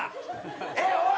えっおい！